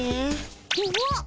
うわっ！？